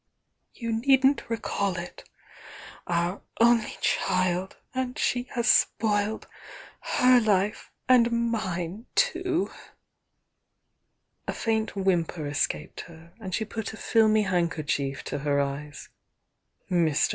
"You needn't re caU it! Our only child!— and she has spoilt her hfe and mine too!" A faint whimper escaped her, and she put a filmy handkerchief to her eyes. Mr.